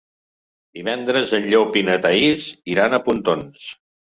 Divendres en Llop i na Thaís iran a Pontons.